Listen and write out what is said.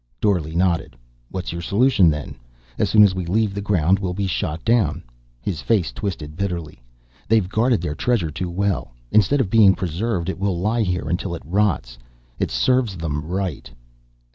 Dorle nodded. "What's your solution, then? As soon as we leave the ground we'll be shot down." His face twisted bitterly. "They've guarded their treasure too well. Instead of being preserved it will lie here until it rots. It serves them right."